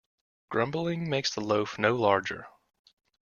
Grumbling makes the loaf no larger.